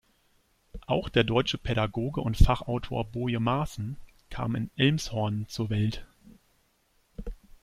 Auch der deutsche Pädagoge und Fachautor Boje Maaßen kam in Elmshorn zur Welt.